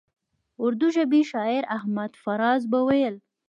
اردو ژبي شاعر احمد فراز به ویل.